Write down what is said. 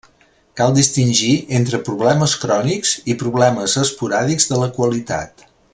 Cal distingir entre problemes crònics i problemes esporàdics de la qualitat.